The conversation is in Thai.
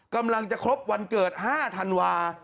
กำลังจะครบวันเกิด๕ธันวา